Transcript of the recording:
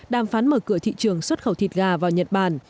đàm phán mở cửa thị trường xuất khẩu thịt gà vào nhật bản